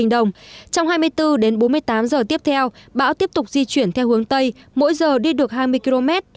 trong hai mươi bốn đến bốn mươi tám giờ tiếp theo bão tiếp tục di chuyển theo hướng tây mỗi giờ đi được hai mươi km